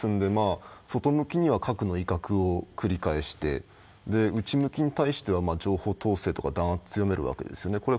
外向きには核の威嚇を繰り返して、内向きに対しては情報統制とか弾圧を強めるわけですよね。